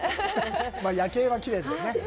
夜景はきれいですね。